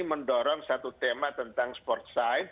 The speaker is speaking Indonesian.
mendorong satu tema tentang sport side